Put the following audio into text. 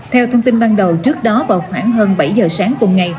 theo thông tin ban đầu trước đó vào khoảng hơn bảy giờ sáng cùng ngày